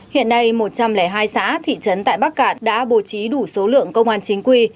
hiện nay một trăm linh hai xã thị trấn tại bắc cạn đã bố trí đủ số lượng công an chính quy